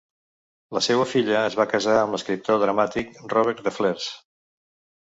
La seua filla es va casar amb l'escriptor dramàtic Robert de Flers.